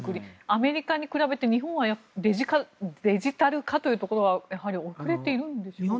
アメリカに比べて日本はデジタル化というところはやはり遅れているんでしょうか。